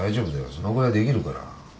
そのぐらいできるから。